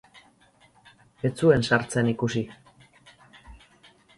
Ez zuen sartzen ikusi.